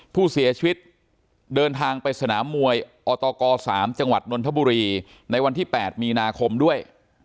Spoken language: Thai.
ผู้เสียชีวิตเดินทางไปสนามมวยอตก๓จังหวัดนนทบุรีในวันที่๘มีนาคมด้วย